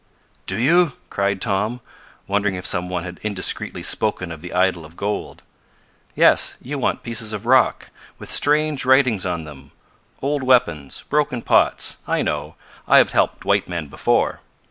"Do you?" cried Tom, wondering if some one had indiscreetly spoken of the idol of gold. "Yes you want pieces of rock, with strange writings on them, old weapons, broken pots. I know. I have helped white men before."